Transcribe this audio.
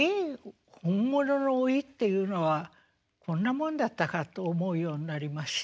本物の老いっていうのはこんなもんだったかと思うようになりまして。